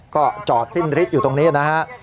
ก็จอดสิ้นฤทธิ์อยู่ตรงนี้นะฮะ